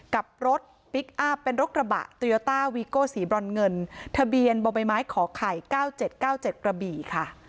กับรถเป็นรถกระบะสีบรรเงินทะเบียนบ่อยไม้ขอไข่เก้าเจ็ดเก้าเจ็ดกระบี่ค่ะ